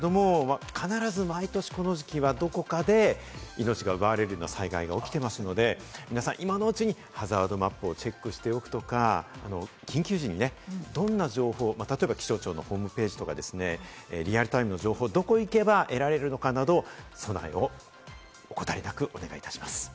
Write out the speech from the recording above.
必ず毎年、この時期はどこかで命が奪われるような災害が起きていますので、皆さん今のうちにハザードマップをチェックしておくとか、緊急時にどんな情報、例えば気象庁のホームページとかですね、リアルタイムの情報、どこに行けば得られるのかなど、備えを怠りなくお願いいたします。